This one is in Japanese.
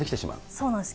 そうなんです。